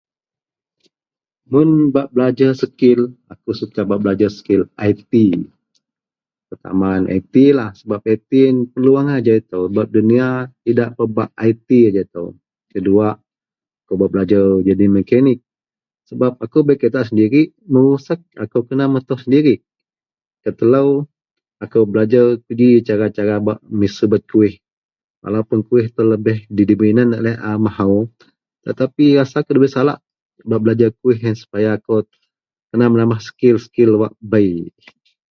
Mun ba belajer skill, aku suka ba belajer skill IT sebab IT yian perlu angai ajau ito, kedua ako bak belajer mekanik sebab ako bei keta sendiri, mun rusak aku kena metoh sendiri, ketelo aku belajer keji cara-cara bak subet kueh atau subet kueh di domenan a mahou tetapi rasa kou debai salak belajer kueh yian supaya kena menambah skill-skill wak bei.